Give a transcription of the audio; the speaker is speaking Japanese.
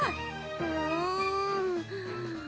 うん。